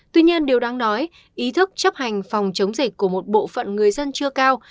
tuy nhiên điều đáng nói ý thức chấp hành phòng chống dịch của một bộ phận người dân chưa cao